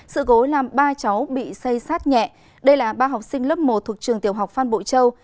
sự cố làm ba cháu bị xây sát nhẹ đây là ba học sinh lớp một thuộc trường tiểu học phan bội châu